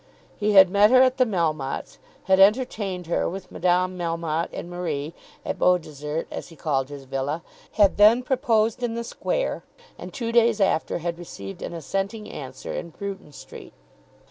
He had met her at the Melmottes', had entertained her, with Madame Melmotte and Marie, at Beaudesert, as he called his villa, had then proposed in the square, and two days after had received an assenting answer in Bruton Street.